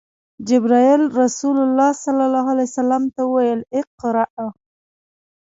جبرئیل رسول الله ته وویل: “اقرأ!”